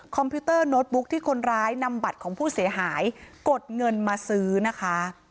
พิวเตอร์โน้ตบุ๊กที่คนร้ายนำบัตรของผู้เสียหายกดเงินมาซื้อนะคะ